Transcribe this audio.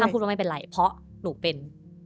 พูดว่าไม่เป็นไรเพราะหนูเป็น